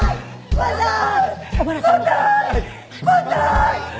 バンザーイ！